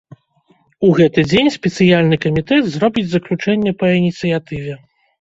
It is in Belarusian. У гэты дзень спецыяльны камітэт зробіць заключэнне па ініцыятыве.